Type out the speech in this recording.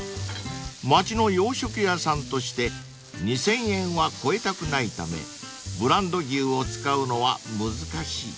［街の洋食屋さんとして２，０００円は超えたくないためブランド牛を使うのは難しい］